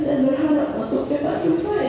dan berharap untuk selesai